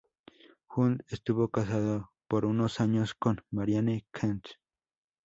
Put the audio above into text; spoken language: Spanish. Hunt estuvo casado por unos años con Marianne Kent.